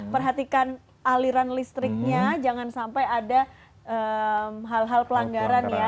perhatikan aliran listriknya jangan sampai ada hal hal pelanggaran ya